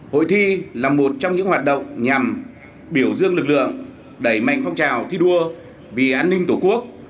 hội thi là một trong những hoạt động nhằm biểu dương lực lượng đẩy mạnh phong trào thi đua vì an ninh tổ quốc